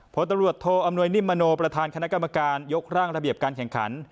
ผลตำรวจโทอำนวยนิมมโนประธานคณะกรรมการยกร่างระเบียบการแข่งขัน